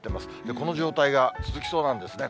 この状態が続きそうなんですね。